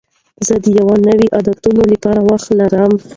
زه د نویو عادتونو لپاره وخت لرم.